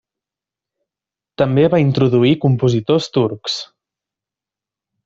També va introduir compositors turcs.